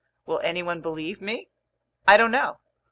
Will anyone believe me? I don't know.